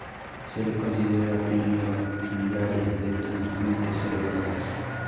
Se le considera pionero en el área de trasplantes cerebrales.